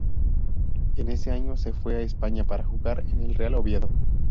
En ese año se fue a España para jugar en el Real Oviedo.